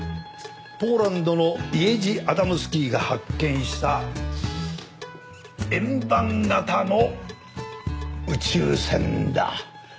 ポーランドのイエジ・アダムスキーが発見した円盤形の宇宙船だ。